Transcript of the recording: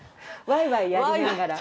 ワイワイやりながら。